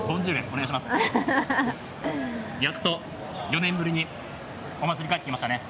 やっと４年ぶりにお祭り帰ってきましたね。